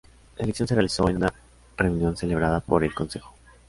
La elección se realizó en una reunión celebrada por el Concejo.